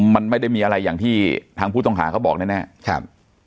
มันไม่ได้มีอะไรอย่างที่ทางผู้ต้องหาเขาบอกแน่ครับ